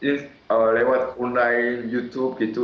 jadi harus cari cek lewat online youtube gitu